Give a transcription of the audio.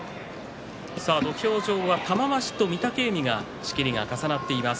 土俵上は玉鷲と御嶽海が仕切りが重なっています。